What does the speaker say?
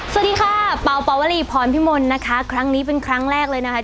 สวัสดีค่ะเป่าเป่าวลีพรพิมลนะคะครั้งนี้เป็นครั้งแรกเลยนะคะ